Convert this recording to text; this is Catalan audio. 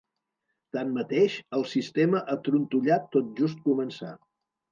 Tanmateix, el sistema ha trontollat tot just començar.